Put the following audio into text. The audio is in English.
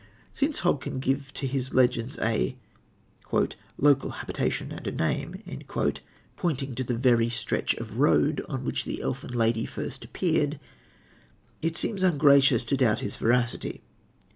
Since Hogg can give to his legends a "local habitation and a name," pointing to the very stretch of road on which the elfin lady first appeared, it seems ungracious to doubt his veracity.